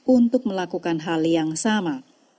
untuk melakukan hal yang sama